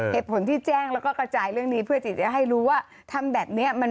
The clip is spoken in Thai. เหตุผลที่แจ้งแล้วก็กระจายเรื่องนี้เพื่อที่จะให้รู้ว่าทำแบบนี้